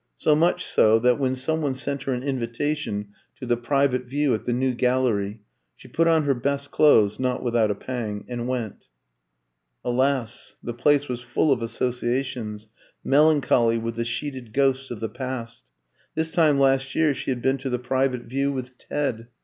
So much so that, when some one sent her an invitation to the private view at the New Gallery, she put on her best clothes (not without a pang) and went. Alas! the place was full of associations, melancholy with the sheeted ghosts of the past. This time last year she had been to the private view with Ted.